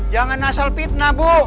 jangan asal fitnah bu